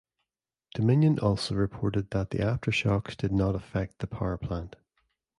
Dominion also reported that the aftershocks did not affect the power plant.